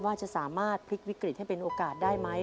ว่าจะสามารถพลิกวิกฤตให้เป็นโอกาสได้ไหม